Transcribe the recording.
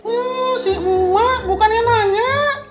oh si emak bukannya nanya